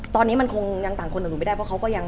ตอนนี้ก็คืออย่างที่ทุกคนทราบเหมือนกันนะคะ